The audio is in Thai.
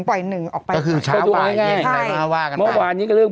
ปล่อยหนึ่งออกไปก็คือเช้าป่ายเย็นใช่มาว่ากันมากเมื่อวานนี้ก็เรื่อง